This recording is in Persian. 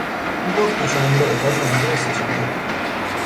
او گفت دوشنبه ولی منظورش سهشنبه بود.